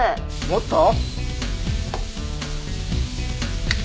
もっと？